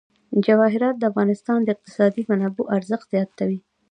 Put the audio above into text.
جواهرات د افغانستان د اقتصادي منابعو ارزښت زیاتوي.